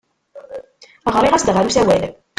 Ɣriɣ-as-d ɣer usawal.